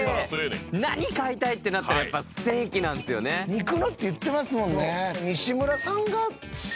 「肉の」って言ってますもんね。